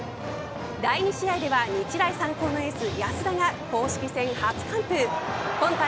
第２試合では日大三高のエース安田が公式戦初完封。